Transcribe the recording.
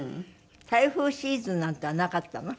台風シーズンなんていうのはなかったの？